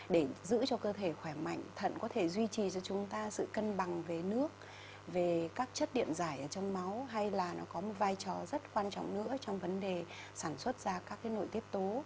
để giữ cho cơ thể khỏe mạnh thận có thể duy trì cho chúng ta sự cân bằng về nước về các chất điện giải ở trong máu hay là nó có một vai trò rất quan trọng nữa trong vấn đề sản xuất ra các nội tiết tố